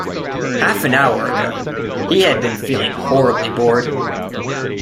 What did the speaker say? Half an hour ago he had been feeling horribly bored.